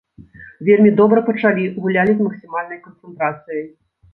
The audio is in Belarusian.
Вельмі добра пачалі, гулялі з максімальнай канцэнтрацыяй.